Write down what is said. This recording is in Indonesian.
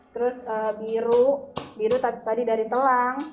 terus biru biru tadi dari telang